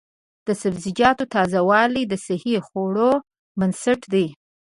د سبزیجاتو تازه والي د صحي خوړو بنسټ دی.